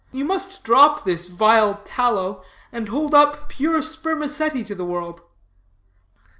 You must drop this vile tallow and hold up pure spermaceti to the world.